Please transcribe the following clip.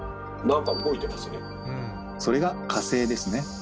それが火星ですね。